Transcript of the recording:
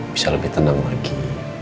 bisa lebih tenang lagi